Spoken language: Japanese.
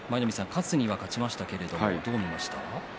勝つには勝ちましたけれどもどう見ましたか。